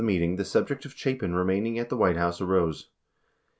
183 meeting, the subject of Chapin remaining at the White House arose.